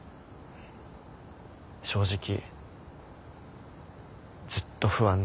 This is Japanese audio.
正直ずっと不安だった。